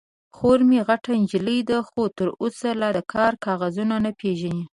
_خور مې غټه نجلۍ ده، خو تر اوسه لا د کار کاغذونه نه پېژني.